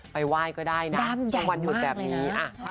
ใครไหว้ก็ได้นะทุกวันอยู่แบบนี้